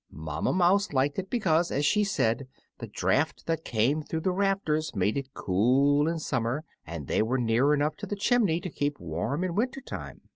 Mamma Mouse liked it because, as she said, the draught that came through the rafters made it cool in summer, and they were near enough to the chimney to keep warm in winter time.